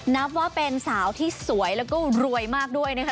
นับว่าเป็นสาวที่สวยแล้วก็รวยมากด้วยนะคะ